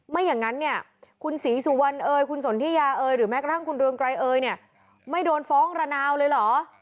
ไม่อย่างนั้นเนี่ยคุณศรีสุวรรณเอ๋ยคุณสนทิยาเอ๋ยหรือแม้กระทั่งคุณเรืองไกรเอยเนี่ยไม่โดนฟ้องระนาวเลยเหรอ